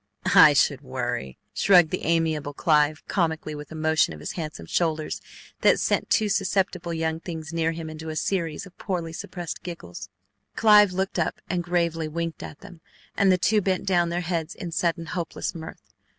"I should worry!" shrugged the amiable Clive comically with a motion of his handsome shoulders that sent two susceptible young things near him into a series of poorly suppressed giggles. Clive looked up and gravely winked at them, and the two bent down their heads in sudden hopeless mirth.